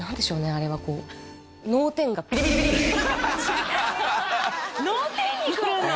あれはこう脳天にくるの？